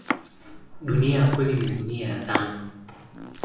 Dunia ya kweli ni dunia ya dhana.